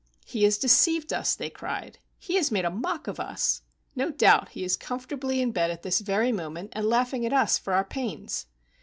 "He has deceived us!" they cried. "He has made a mock of us. No doubt he is comfortably in bed at this very moment and laughing at us for our pains."